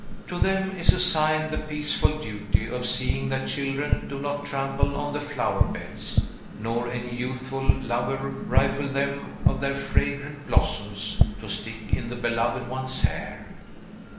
To them is assigned the peaceful duty of seeing that children do not trample on the flower beds, nor any youthful lover rifle them of their fragrant blossoms to stick in the beloved one's hair.